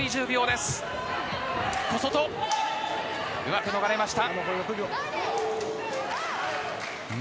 小外、うまく逃れました。